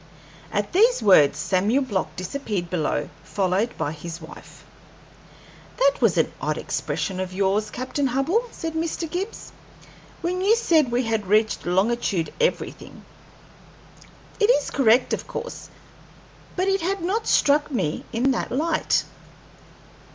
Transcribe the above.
At these words Samuel Block disappeared below, followed by his wife. "That was an odd expression of yours, Captain Hubbell," said Mr. Gibbs, "when you said we had reached longitude everything. It is correct, of course, but it had not struck me in that light."